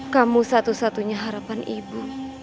kamu satu satunya harapan ibu